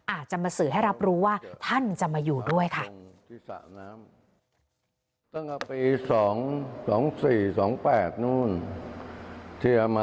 อาจจะมาสื่อให้รับรู้ว่าท่านจะมาอยู่ด้วยค่ะ